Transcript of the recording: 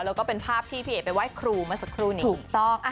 แล้วก็เป็นภาพที่พี่เอกไปไหว้ครูเมื่อสักครู่นี้ถูกต้อง